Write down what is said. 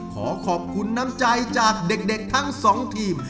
ขอขอบคุณน้ำใจจากเด็กทั้งสองทีม